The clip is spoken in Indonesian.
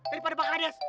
daripada pak kades